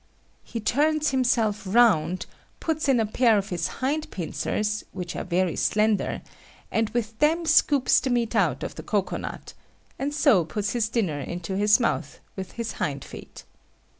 He turns himself round, puts in a pair of his hind pincers, which are very slender, and with them scoops the meat out of the cocoa nut, and so puts his dinner into his mouth with his hind feet.